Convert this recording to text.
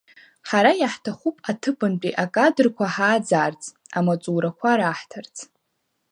Ҳара иаҳҭахуп аҭыԥантәи акадрқәа ҳааӡарц, амаҵурақәа раҳҭарц.